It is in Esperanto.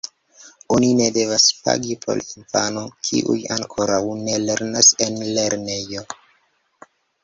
Oni ne devas pagi por infanoj, kiuj ankoraŭ ne lernas en lernejo.